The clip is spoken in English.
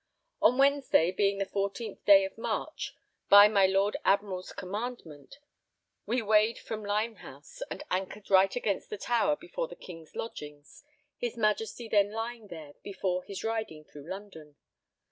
On Wednesday, being the 14th day of March, by my Lord Admiral's commandment we weighed from Limehouse, and anchored right against the Tower before the King's lodgings, his Majesty then lying there before his riding through London.